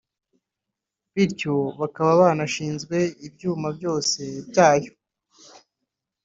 bityo bakaba banashinzwe ibyumba byose byayo